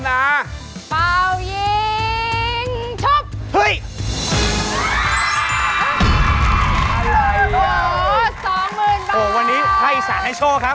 กะแกรกินกระดาษหน่อย